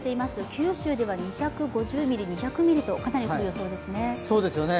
九州では２５０ミリ、２００ミリとかなり降る予想ですね。